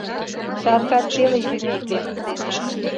Чаркат пеле йӱмеке.